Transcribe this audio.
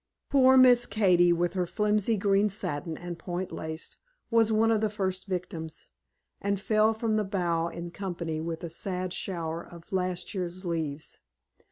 Poor Miss Katy, with her flimsy green satin and point lace, was one of the first victims, and fell from the bough in company with a sad shower of last year's leaves.